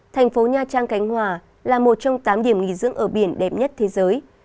thành phố nha trang cánh hòa là một trong tám điểm nghỉ dưỡng ở biển đẹp nhất thế giới